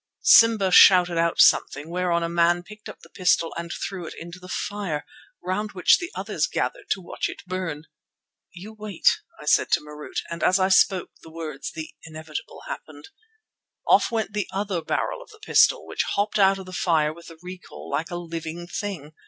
Simba shouted out something, whereon a man picked up the pistol and threw it into the fire, round which the others gathered to watch it burn. "You wait," I said to Marût, and as I spoke the words the inevitable happened. Off went the other barrel of the pistol, which hopped out of the fire with the recoil like a living thing.